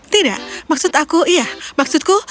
tidak maksud aku iya maksudku